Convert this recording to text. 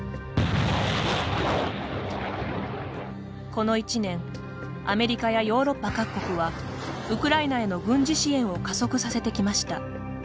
この１年アメリカやヨーロッパ各国はウクライナへの軍事支援を加速させてきました。